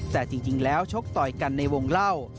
แต่จริงแล้วชกต่อยกันในวงเล่า